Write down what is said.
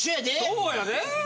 そうやで。